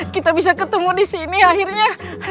kita bisa ketemu disini akhirnya